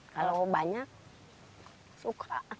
kalau banyak suka